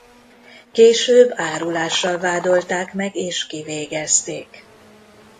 Később árulással vádolták meg és kivégezték.